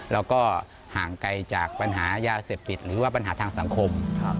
แล้วก็ห่างไกลจากปัญหายาเสพติดหรือว่าปัญหาทางสังคม